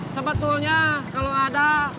sebetulnya kalo ada